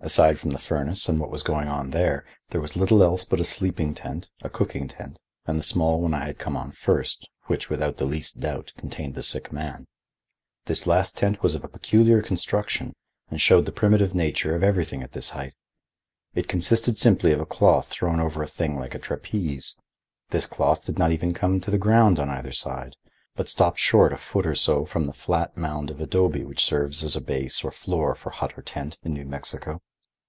Aside from the furnace and what was going on there, there was little else but a sleeping tent, a cooking tent, and the small one I had come on first, which, without the least doubt, contained the sick man. This last tent was of a peculiar construction and showed the primitive nature of everything at this height. It consisted simply of a cloth thrown over a thing like a trapeze. This cloth did not even come to the ground on either side, but stopped short a foot or so from the flat mound of adobe which serves as a base or floor for hut or tent in New Mexico.